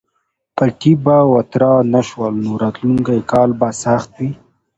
پټي به وتره نه شول نو راتلونکی کال به سخت وي.